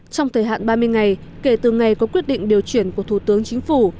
trong thời hạn ba mươi ngày kể từ ngày có quyết định điều chuyển của thủ tướng chính phủ